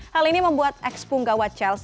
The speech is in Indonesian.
hal ini membuat ekspung gawat jahat